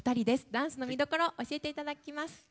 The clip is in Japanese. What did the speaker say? ダンスの見どころを教えていただきます。